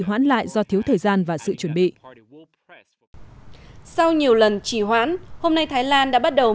hoãn lại do thiếu thời gian và sự chuẩn bị sau nhiều lần trì hoãn hôm nay thái lan đã bắt đầu